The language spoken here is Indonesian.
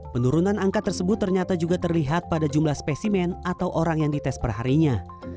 penurunan angka tersebut ternyata juga terlihat pada jumlah spesimen atau orang yang dites perharinya